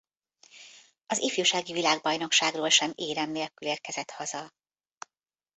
Az ifjúsági világbajnokságról sem érem nélkül érkezett haza.